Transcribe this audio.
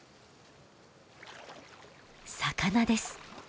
魚です。